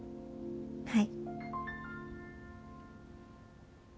はい。